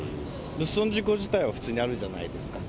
物損事故自体は普通にあるじゃないですか。